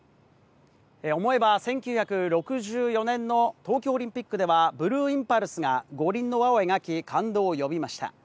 思えば１９６４年の東京オリンピックではブルーインパルスが五輪の輪を描き、感動を呼びました。